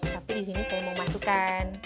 tapi di sini saya mau masukkan